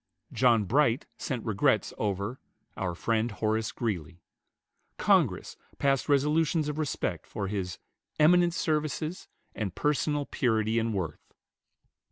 John Bright sent regrets over "our friend, Horace Greeley." Congress passed resolutions of respect for his "eminent services and personal purity and worth."